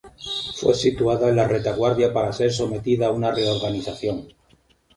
Fue situada en la retaguardia para ser sometida a una reorganización.